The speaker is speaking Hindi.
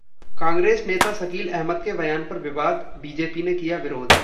कांग्रेस नेता शकील अहमद के बयान पर विवाद, बीजेपी ने किया विरोध